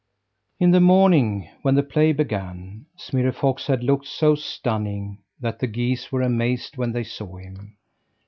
In the morning, when the play began, Smirre Fox had looked so stunning that the geese were amazed when they saw him.